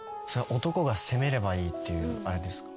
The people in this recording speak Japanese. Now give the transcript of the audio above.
男が攻めればいいっていうあれですか？